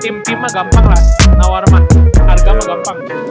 tim tim mah gampang lah nawar mah harga mah gampang